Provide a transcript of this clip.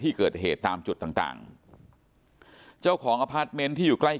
ที่เกิดเหตุตามจุดต่างต่างเจ้าของอพาร์ทเมนต์ที่อยู่ใกล้